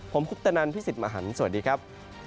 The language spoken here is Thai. ผมคุปตนันพี่สิทธิ์มหันฯสวัสดีครับ